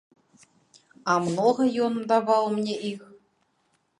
А многа ён даваў мне іх?